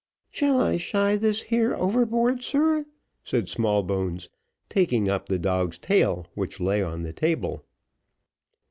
"Shall I shy this here overboard, sir?" said Smallbones, taking up the dog's tail, which lay on the table.